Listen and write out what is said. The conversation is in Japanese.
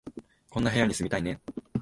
こんな部屋に住みたいね